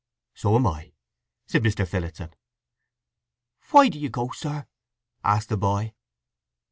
"So am I," said Mr. Phillotson. "Why do you go, sir?" asked the boy.